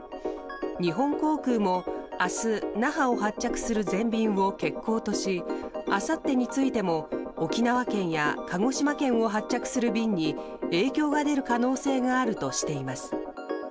日本航空も明日、那覇を発着する全便を欠航としあさってについても沖縄県や鹿児島県を発着する便に影響が出る可能性があるとしています。